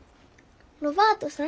ロバートさん？